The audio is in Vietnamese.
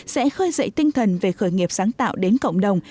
sẽ khơi dậy tinh thần về khởi nghiệp sáng tạo đến cộng đồng